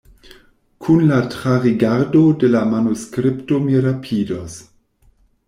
Kun la trarigardo de la manuskripto mi rapidos.